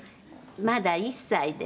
「まだ１歳です」